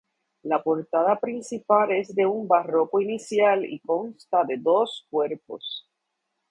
La portada principal es de un barroco inicial y consta de dos cuerpos.